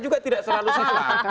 juga tidak terlalu setelah